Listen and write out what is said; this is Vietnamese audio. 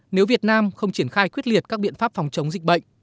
nếu việt nam không triển khai quyết liệt các biện pháp phòng chống dịch bệnh